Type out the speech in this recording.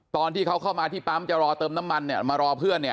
ตอนที่เขาเข้ามาที่ปั๊มจะรอเติมน้ำมันเนี่ยมารอเพื่อนเนี่ย